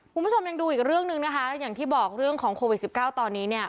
คุณผู้ชมยังดูอีกเรื่องหนึ่งนะคะอย่างที่บอกเรื่องของโควิดสิบเก้าตอนนี้เนี่ย